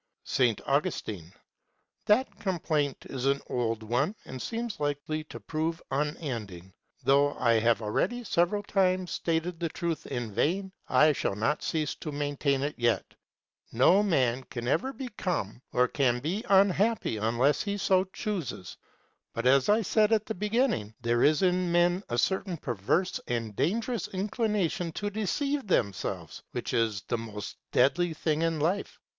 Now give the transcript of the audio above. S. Augustine. That complaint is an old one and seems likely to prove unending. Though I have already several times stated the truth in vain, I shall not cease to maintain it yet. No man can become or can be unhappy unless he so chooses; but as I said at the beginning, there is in men a certain perverse and dangerous inclination to deceive themselves, which is the most deadly thing in life.